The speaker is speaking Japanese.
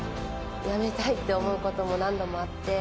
辞めたいって思うことも何度もあって。